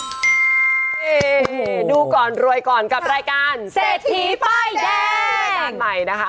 โอ้โหดูก่อนรวยก่อนกับรายการเศรษฐีป้ายแดง